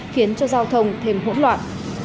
khiến cho giao thông thêm hỗn loạn